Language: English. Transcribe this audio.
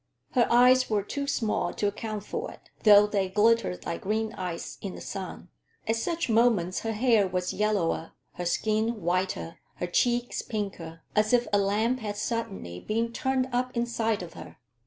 Her eyes were too small to account for it, though they glittered like green ice in the sun. At such moments her hair was yellower, her skin whiter, her cheeks pinker, as if a lamp had suddenly been turned up inside of her.